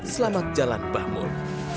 selamat jalan bahmun